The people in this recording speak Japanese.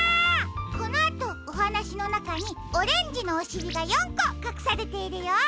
このあとおはなしのなかにオレンジのおしりが４こかくされているよ。